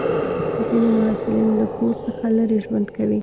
ځینې محصلین له کور څخه لرې ژوند کوي.